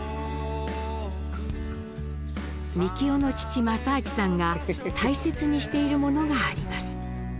みきおの父政亮さんが大切にしているものがあります。